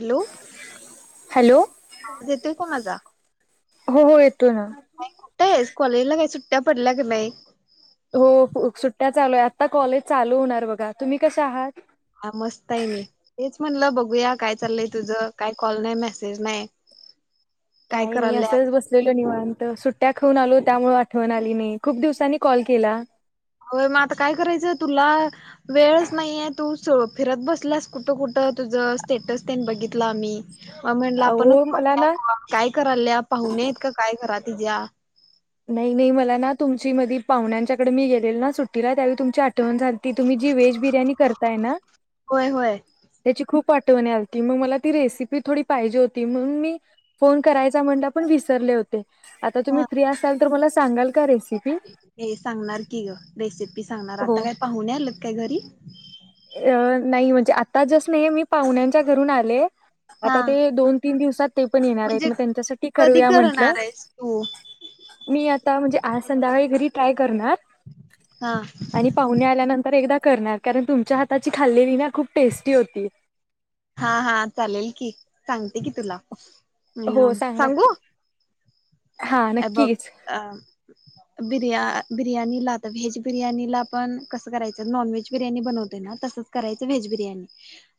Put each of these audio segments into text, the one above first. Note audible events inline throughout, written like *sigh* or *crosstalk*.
Hello hello आवाज येतोय का माझा? हो हो येतो ना कुठं आहेस? कॉलेजला काही सुट्ट्या पडल्या की नाही. हो सुट्ट्या चालू आहे आत्ता कॉलेज चालू होणार बघा तुम्ही कसे आहात. हा मस्त आहे मी तेच म्हणलं बघू बघूया काय चालय तुझं काय? कॉल नाय मेसेज नाय. काही नाही असंच बसलेलं निवांत सुट्ट्या ठून आलो त्यामुळे आठवण आली नाही खूप दिवसांनी कॉल केला. हो मग आता काय करायचं तुला वेळच नाहीये तू च फिरत बसलास कुठं कुठं तुझं स्टेटस तेनं बघितला आम्ही म मी म्हणलं आपणच अहो मला ना पाहुयात काय कराल्यात पाहुणेत का काय घरात तिज्या नाही नाही मला ना तुमची मधी पाहुण्यांच्याकडे मी गेलेलो ना सुट्टीला त्यावेळी तुमची आठवण झाली की तुम्ही जी व्हेज बिर्याणी करताय ना होय होय. त्याची खूप पाठवण्या आलती मग मला ती रेसिपी थोडी पाहिजे होती म्हणून मी फोन करायचा म्हणाला पण विसरले होते. आता हा तुम्ही फ्री तर मला सांगाल का रेसिपी हे सांगणार की ग रेसिपी सांगणार हो आता काय पाहुणे आलेत. काय घरी अ नाही म्हणजे आता जस्ट नाही मी पाहुण्यांच्या घरून आले. हा आता ते दोन तीन दिवसात ते पण येणार आहेत म्हणजे मग त्यांच्यासाठी कधी करूया म्हंटलं करणार आहेस तू? मी आता म्हणजे आज संध्याकाळी घरी ट्राय करणार हा आणि पाहुणे आल्यानंतर एकदा करणार कारण तुम च्या हाताची खाल्लेली ना खूप टेस्टी होती. हा हा चालेल की सांगते की तुला हो सांगा की सांगू हां नक्कीच हेबक बिर्या बिर्याणीला तर व्हेज बिर्याणीला आपण कसं करायचं नॉन व्हेज बिर्याणी बनवते ना तसंच करायचं व्हेज बिर्याणी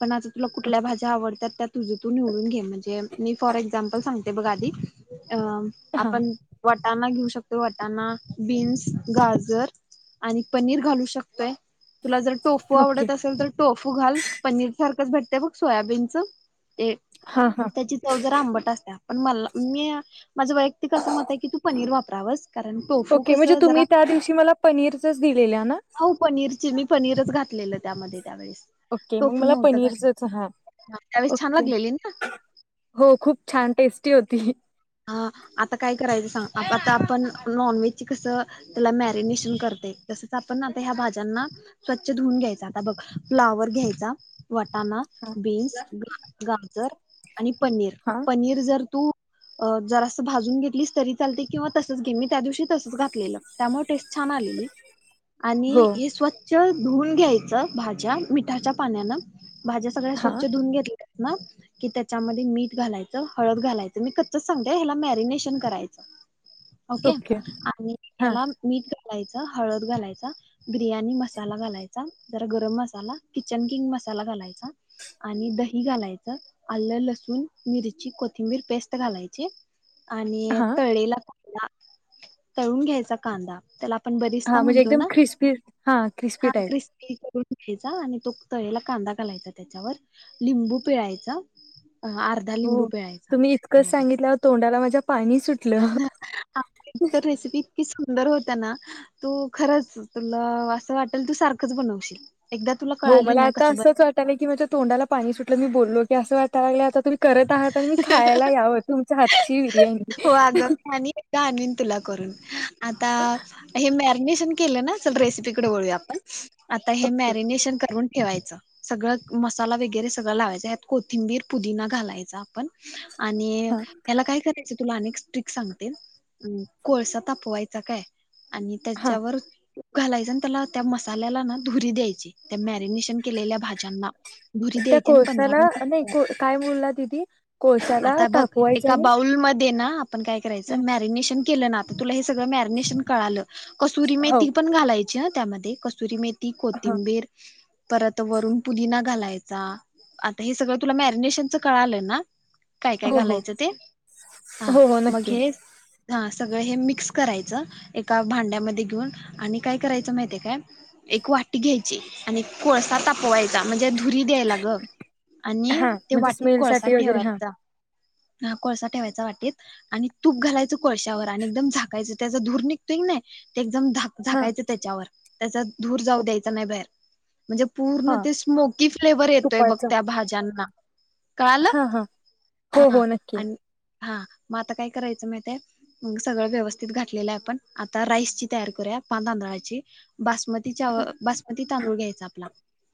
पण आत तुला कुठल्या ओके भाज्या आवडतात त्या तुझ तू निवडून घे म्हणजे मी फॉर एक्झम्पल सांग हे बघ आदी अअ हां आपण वा वटाणा घेऊ शकतोय वटाणा, बीन्स, गाजर आणि पनीर घालू शकतोय. तुला जर टोफू ओके आवडत असेल तर टोफू घाल पनीर सार भेटते ब सोयाबीनचं ते हां हां त्याची चव जरा आंबट असत्या पण मला मी माझं बा *unintelligible* कारण टोफू ओके म्हणजे कसं तुम्ही जरा त्या दिवशी मला पनीरचंच दिलेल्या ना हो पनीर च मी पनीरच घातलेलं त्यामध्ये त्यावेेळेस ओके मग टोफू मला नव्हतं घातलं पनीरचंच हां त्यावेेळेस छान ओके लागलेली ना टी होती. हा आता काय करायचं सांग आ आता आपण नॉनव्हेजची कस त्याला मॅरिनेशन करते तसंच आपण आता ह्या भाज्यांना स्वच्छ धुवून घ्यायचा आता बघ फ्लावर घ्यायचा. वटाणा हां बीन्स गाजर आणि पनीर हां पनीर जर तू अ जरा असं भाजून घेतलीस तरी चालते किंवा तसच घे मी त्या दिवशी तसच घातलेलं त्यामुळ टेस्ट छान आलेली आणि हो हे स्वछ च धुवून घ्यायचं भाज्या मिठाच्या पाण्यानं भाज्या सगळ्या हां स्वच्छ धुवून घेतल् की त्याच्यामध्ये मीठ घालायचं हळद घालायचं मी क त समद्या ह्याला मॅरिनेशन करायचं. ओके आणि हां याला मीट घालायच हळद घालायचा बिर्याणी मसाला घालायचा जरा गरम मसाला किचन किंग मसाला घालायचा आणि दही घालायच आलं लसूण मिरची कोथिंबीर पेस्ट घालायचे आणि हां तळलेला तळून घ्यायचा कांदा त्याला आपण बरिस्ता हा म्हणजे म्हणतो एकदम ना ख्रिस्पी हा ख्रिस्पी टाईप ठेचा आणि तो तळेला कांदा घालायचा त्याच्यावर लिंबू पिळायचा अ आर्धा लिंबू पिळायचा क त्यामध्ये सांगितल होतो. तोंडाला माझ्या पाणी सुटलं तर रेसिपी इतकी सुंदर होत ना तू खरंच तुला असं वाटल तू सारखंच बनवशील एकदा तुला हो कळाली मला ना आता कसं ब असंच वाटाला की माझ्या तोंडाला पाणी सुट मी बोललो की असं वाटया लागलंय आता तरी करत त्या हातानी मी खायला यावं तुमचा हात *unintelligible* हो आग आणि एकदा आणीन तुला करून आता हे म्यार नेशन केल ना चल रेसिपीकड वळूया आपण आता हे ओके मॅरिनेशन करून ठेवायचं सगळं मसाला वगैरे सगळं लावायचा ह्यात कोथिंबीर पुदिना घालायचा आपण आणि हा ह्याला काय करा तुला अनेक स्ट्रिक सांगतीन कोळसा तापवायचा काय आणि हा त्याच्यावर घालायच आणि त्याला त्या मसाल्याला ना धुरी द्यायची त्या मॅरिनेशन केलेल्या भाज्यांना धुरी त्या द्यायची आणि पंधरा कोळश्याला नही मिनिटे काय बोलला दिदी कोळशाला तापवायचे आणि दे ना आप आपण काय करायच म्यॅरीनेशन केल ना तुला हे सगळ म्यॅरीनेशन कळाल कसुरी हो मेथी पण घालाय ज्या त्यामध्ये कसुरी मे हा कोथिंबीर परत वरून पुदीना घालाय आता हे सगळं तुला मॅरनेशन च कळालंय ना काय काय हो हो घालायचं ते हा हो हो मग नक्की हे हा सगळ हे मिक्स करायचं एका भांड्यामध्ये घेऊन आणि काय करायचं महितीय काय एक वाटी घ्यायची आणि कोळसा तापवायचा म्हणजे धुरी द्यायला ग हा आणि ते म्हणजे वाटीत स्मेल कोळसा साठी वगैरे हा ठेवायचा हा कोळसा ठेवायचा वाटेत आणि तूप घालायचं कोळश्यावर आणि एकदम झाकायचं त्याचा धूर निघतोय की नाय जम झा हा झाकायच त्याच्यावर त्याचा धूर जाऊ द्यायचा नाय बाहेर म्हणजे पूर्ण हा ते स्मोकी फ्लेवर येतोय बघ तुपाचा त्या भाज्यांना कळालं हा हा हो हा हो नक्की आणि हा मग आता काय करायचं माहितय मग सगळं व्यवस्थित घातलेलं आहे आपण आता राईसची तयार करूया पा तांदळाची बासमती चा बासमती तांदूळ घ्यायचा आपला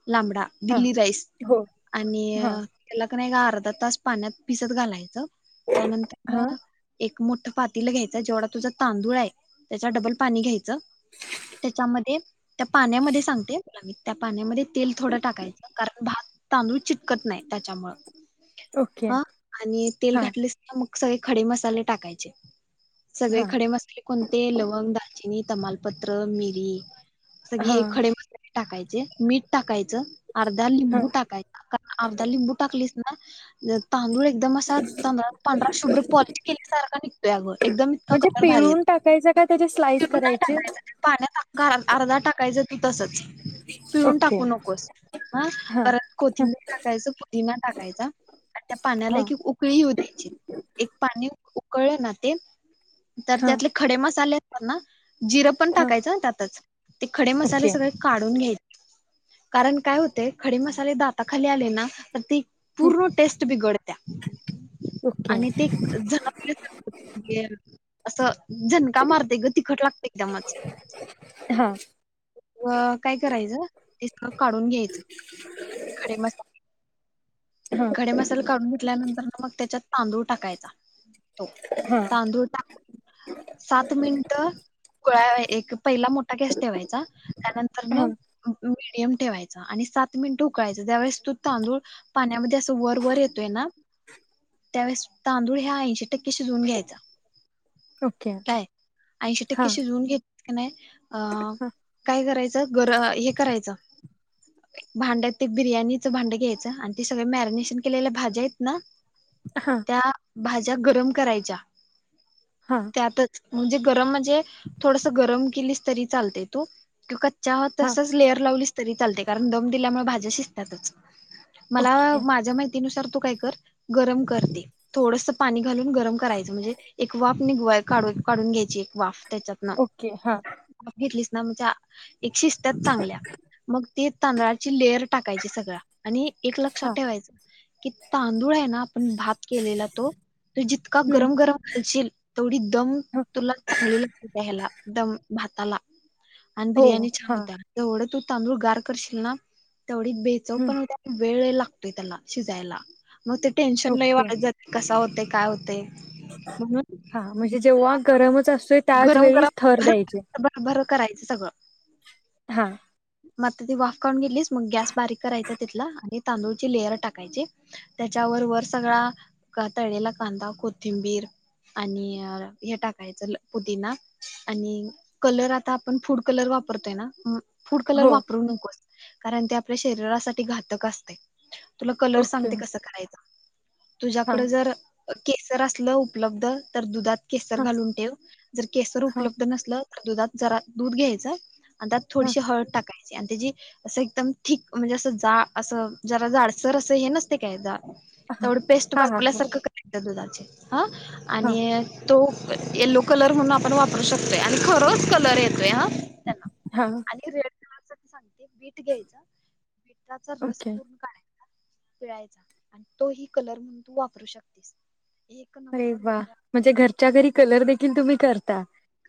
लांबडा हा दिल्ली राईस हो आणि हा त्याला *inaudible* तास पाण्यात भिजत घालायचं हा त्यानंतर एक मोठं पातील घ्यायचा जेवढा तुझा तांदूळ आहे त्याचा डबल पाणी घ्याय यच त्याच्यामध्ये त्या पाण्यामध्ये सांगते तुला मी त्या पाण्यामध्ये तेल थोडं टाकायचं कारण भात तांदूळ चिटकत नाय त्याच्यामुळ ओके हा आणि तेल हा घातलेस ना मग सगळे खडे मसाले टाकायचे. सगळे हा खडे मसाले कोणते लवंग, दालचिनी तमालपत्र, मिरी, सगळी हा हे खडे मसाले टाकायचे मीठ टाकाय यच अर्धा हा लिबू टाकायचा अर्धा लंबू टाकलीस *inaudible* *inaudible* तांदूळ एकदम असा तादला पांढरा शुभ्र पॉलिश केली सारखा निघतोय अग एकदम इतका म्हणजे कलर भारी पिळून येतोय टाकायचं का त्याचे स्लाइस लींबू नाय करायचे टाकायचा त्यात पाण्यात लिबू अर्धा टाकायच तसंच पिळून ओके टाकू नकोस ह हा परत हा कोथिंबर टाकायचं पुदिना टाकायचा त्या पाण्याला हा एक उकळी येऊ द्यायची एक पाणी उकळ ना ते तर हा त्यातले खडे मसाले ना जिर पण हा टाकायचं ना त्यातच ते खडे मसाले ओके सगळे काढून घ्यायचे कारण काय होते खडी मसाले दाता खाली आले ना तर ती हं, पूर्ण टेस्ट बिघडते त्या ओके आणि ते झणपले असं झनका मारतय ग तिखट लागतय एकदमच हा अ काय करायचं ते सगळं काढून घ्यायचं खडे मसाले हा खडे मसाला काढून घे त्यानंतर मग त्याच्यात तांदूळ टाकायचा हा तांदूळ टाकून सात मिनिट काय एक पहिला मोठा गॅस ठेवायचा त्यानंतर ना हा येम ठेवायचा आणि सात मिनिटं उकळायच ज्यावेेळेस तो तांदूळ पाण्यामध्ये असं वर वर येतोय ना त्यावेळेस तांदूळ ह ऐंशी टक्के शिजवून घ्यायचा ओके काय ऐंशी हा टक्के शिजवून घे आणि अं हा काय करायचं गर हे करायचं भांड ते बिर्याणीचं भांडं घ्यायचं आणि ते सगळे मॅरिनेशन केलेल्या भाज्या आहेत ना हा त्या भाज्या गरम करायच्या हा त्यातच म्हणजे गरम थोडसा गरम केलीस तरी चालतंय तो तु का त्यावर हा तसच लेअर लावलीस तरी चालतय कारण दम दिल्यामुळे भाज्या शिजत्यातच मला ओके माझ्या माहित नुसार तू काय कर गरम कर ते थोडस पाणी घालून गरम करायचं म्हणजे एक वाफ निघवाय काढून काढून घ्यायची एक वाफ त्याच्यात ना ओके हा वाफ घेतलीस नमच्या एक शिजत्यात चांगल्या मग ते तांदळाची लेयर टाकायची सगळा आणि एक लक्षात हा ठेवायच कि तांदूळ आहे ना आपण भात केलेला तो तो जितका हम्म गरम गरम घालशील तेवढी दम तुला चांगली लागते त्या ह्याला दम भााताला आणि हो बिर्याणी छान हा होत्याय जेवढं तु तांदूळ गार करशील ना तेवढी बेचव हम्म पण होत आणि वेळ ही लागत तोय त्याला शिजायला मग ते टेन्शन लय ओके वाढत जात कसा होत ते काय होतय हा म्हणजे जेव्हा गरमच असतोय त्याच गरम वेळी थर द्यायचे सगळ हा मग ती वाफ करून घेतलीस मग गॅस बारीक करायचा तिथला आणि तांदूळची लेअर टाकायची त्याच्यावर वर सगळा तळळेला कांदा कोथिंबीर आणि हे टाकायचं ल पुदीना आणि कलर आता आपण फूड कलर वापरतोय ना म फुड कलर हो वापर नकोस कारण ते आपल्या शरीरासाठी घातक असतय तुला कलर ओके सांगते कसं करायचं हा तुझ्याकडे जर केसर असलं उपलब्ध तर दुधात केसर हा घालून ठेव जर केसर हा उपलब्ध नसल? दुधात जरा दूध घ्यायचं आणि त्यात हा थोडीशी हळद टाकाय आणि त्याची असं एकदम थीक म्हणजे असं जा असं जरा जाडसर असं हे नसते काय हा तेवढं पेस्ट हा हा बनवल्या सारखं करा दुधाचे हा हा आणि तो येलो कलर म्हणून आपण वापरू शकतोय आणि खरंच कलर येतोय हा त्यांना हा आणि रे ह सांग सांग ते बीठ घ्यायचं बीठाचा रस ओके पूर्ण काढायचा पिळायचा आणि तो ही कलर म्हणून तू वापरू शकतेस एक अरे नंबर वा होत्या म्हणजे घरच्या घरी कलर देखील तुम्ही? करता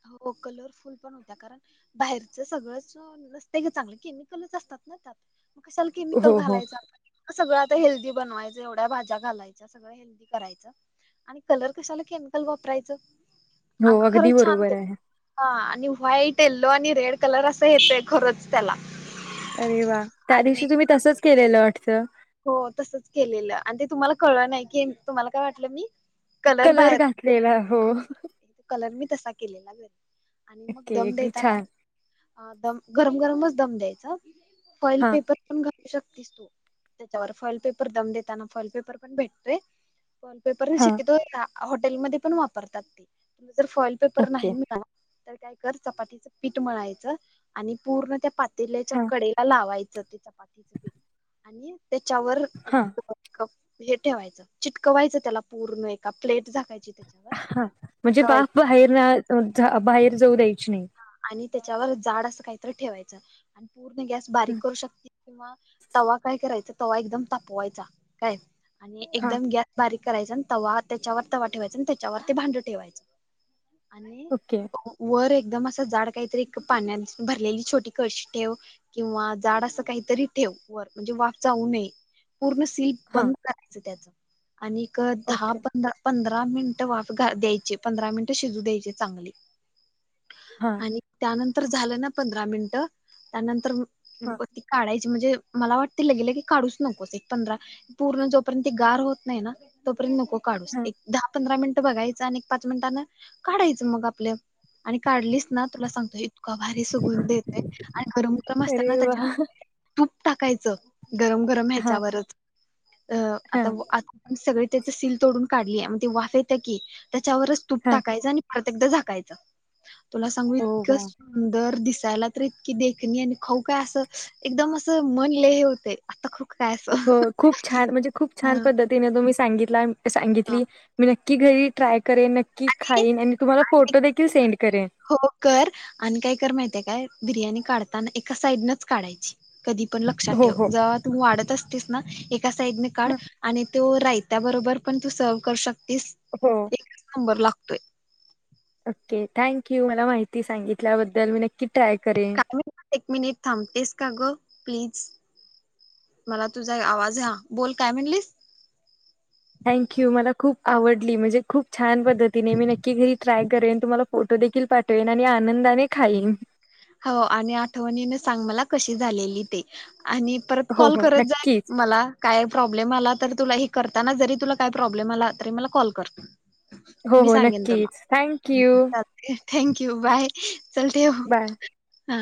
हो कलरफुल पण होत्या कारण बाहेरचं सगळंच नसतय ग चांगल केमिकलच असतात ना त्यात कशाला हो केमिकल हो घालायचं आपण सगळं आता हेल्दी बनवायच एवढ्या भाज्या घालायच्या सगळं हेल्दी करायचं आणि कलर कशाला केमिकल वापरायच हो अगदी बरोबर. आहे. हा आणि व्हाईटन तो आणि रेड कलर असा येतय खरंच त्याला अरे वा त्या आणि दिवशी तुम्ही तसंच केलेलं वाटतं *unintelligible* हो तसच केलेलं आणि ते तुम्हाला कळलं नाही की तुम्हाला काय वाटलं मी कलर घातलेला हो कलर मी तसा केलेला ओके एकदी छान अ दम गरम गरमच दम द्यायचा फॉइल हा पेपर पण घालू शकतो *inaudible* त्याच्यावर फॉईल पेपर दम देताना फॉईल पेपर पण भेटतोय पेपर मी हा शक्यतो ह्या हॉटेलमध्ये पण वापरतात ते जर फॉइल पेपर ओके नाही मिळालं आणि नंतर चपातीचं पीठ म्ळायचं आणि पूर्ण त्या पाते दिलेच्या हा कडेला लावायच च चपातीचं पीठ आणि त्याच्यावर एक हा दोन कप हे ठेवायचं चिटकवायचं त्याला पूर्ण एका प्लेट झाकायची त्याच्यावर हा म्हणजे वाफ चिटकवायचं बाहेर ना बाहेर जाऊ द्यायची नाही आणि त्याच्यावर जाड असं काहीतरी ठेवायचं पूर्ण गॅस बारीक हं, करू शकते किंवा तवा काय करायचां तवा एकदम तापवायचा काय आणि हा एकदम गॅस बारीक करायचं तवा त्याच्यावर तवा ठेवायचा आणि त्याच्यावर ते भांड ठेवायचं आणि ओके वर एक एकदम असं जाड काहीतरी पाण्याची भरलेली छोटी कळशी ठेव किंवा जाड असं काहीतरी ठेव वर म्हणजे वाफ जाऊ नये पूर्ण सिल हा बंद करायचं त्याच आणि एक दहा ओके पंधरा पंधरा दहा मिनिट वाफ घा द्यायची पंधरा मिनिट शिजू द्यायचे चांगली हा आणि त्यानंतर तर झालं ना पंधरा मिनिटं त्यानंतर हा काढायचं म्हणजे मला वाटतय लगे लगे काढूच नकोस एक पंधरा पूर्ण जोपर्यंत गार होत नाही ना तोपर्यंत नको हा एक दहा पंधरा मिनिटं? बघायचं आणि पाच मिनटानं काढायचं मग आपले आणि काढलीच ना तुला सांगतोय कवारी सुगून देते आणि गरम गरम अरे असताना वा त्याच्यावर तूप टाकायचं गरम गरम हा ह्याच्यावरच अ हा आता सगळी त्याच सील तोडून काढली आणि ती वाफ येत्या की त्याच्यावरच तूप हा टाकायचं आणि तीत झाकायचं तुला सांगू ओ इतकं वा सुंदर दिस यला तर इतकी देखणी आणि खाऊ काय असं एकदम असं मन लय होतंय आता खाऊ काय असं हो खूप छान म्हणजे खूप छान हं, पद्धतीने तुम्ही सांगितल *unintelligible* सांगितली मी नक्की की घरी ट्राय करेन नक्की. की ते खाईन आणि तुम्हाला एक फोटो देखील सेंड करेन हो कर आणि काय कर माहितीहाय काय? बिर्याणी काढताना एका साइडनच काढायची कधी पण लक्षात हो ठेव हो. जेव्हा तु वाढत असतेस ना एका साईडने काढ हं. आणि तो राही त्याबरोबर पण तू सर्व करू शक तीस हो एक नंबर लागत ते ओके थँक यू मला माहिती सांगितल्याबद्दल मी नक्की ट्राय करेन. एक मिनिट थांबतेस का ग प्लीज मला तुझा आवाज हा बोल काय म्हणलीस? थँक्यू मला खूप आवडली म्हणजे खूप छान! छान पद्धतीने मी नक्की घरी ट्राय करेन तुम्हाला फोटो देखील पाठवेन आणि आनंदाने खाईन. हो आणि आठवणीन सांग मला कशी झालेली ते आणि परत हो कॉल हो करत जा नक्कीच मला काय प्रॉब्लेम आला तर तुलाही करताना जरी तुला काय प्रॉब्लेम आला तरी मला कॉल कर. हो मी हो नक्कीच थँक यू! Thank you bye! चल ठेव. बाय. हा.